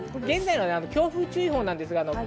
現在の強風注意報です。